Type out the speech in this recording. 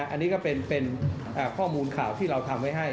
อันนี้ก็เป็นข้อมูลข่าวที่เราทำไว้ให้